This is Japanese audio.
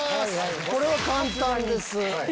これは簡単です。